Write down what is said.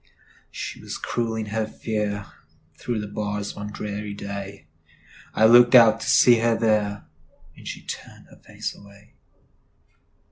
She was cruel in her fear; Through the bars one dreary day,I looked out to see her there, And she turned her face away!